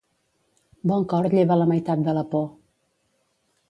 Bon cor lleva la meitat de la por.